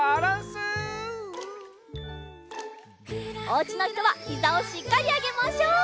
おうちのひとはひざをしっかりあげましょう！